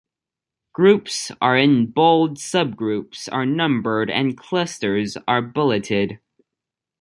Groups are in bold, subgroups are numbered, and clusters are bulleted.